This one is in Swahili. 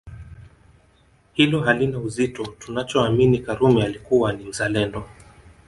Hilo halina uzito tunachoamini Karume alikuwa ni mzalendo